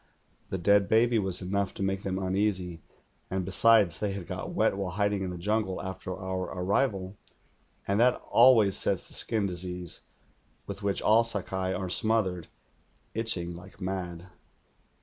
The dead baby was enough to make them uneasy, and besides, they had got wet while hiding in the jungle after our arrival, and that always sets the skin disease, with which all Sakai are smothered, itching like mad.